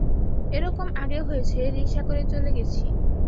এ-রকম আগেও হয়েছে, রিকশা করে চলে গেছি।